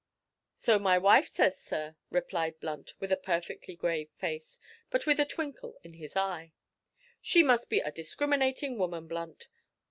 "So my wife says, sir," replied Blunt with a perfectly grave face, but with a twinkle in his eye. "She must be a discriminating woman, Blunt.